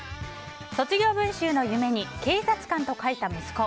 卒業文集の夢に警察官と書いた息子。